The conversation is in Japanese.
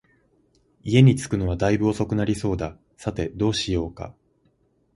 家に着くのは大分遅くなりそうだ、さて、どうしようか